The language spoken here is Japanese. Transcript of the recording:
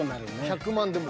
１００万でも。